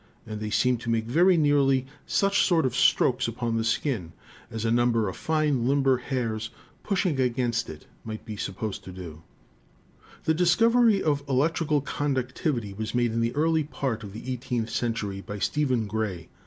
And they seemed to make very nearly such sort of stroaks upon the Skin, as a number of fine limber Hairs pushing against it might be supposed to do/ "The discovery of electrical conductivity was made in the early part of the eighteenth century by Stephen Gray.